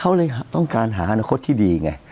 เขาเลยต้องการหาอนาคตที่ดีไง